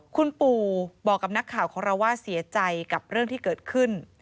คุณปู่บอกกับนักข่าวของเราว่าเสียใจกับเรื่องที่เกิดขึ้น